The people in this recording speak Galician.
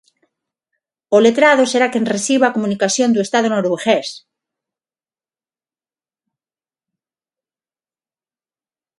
O letrado será quen reciba a comunicación do Estado noruegués.